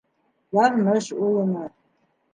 Яҙмыш уйыны